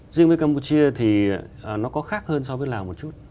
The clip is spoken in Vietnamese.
riêng với campuchia thì nó có khác hơn so với lào một chút